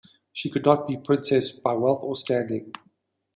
She could not be princess by wealth or standing.